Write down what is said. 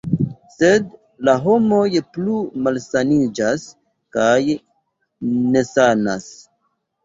Sed la homoj plu malsaniĝas kaj nesanas.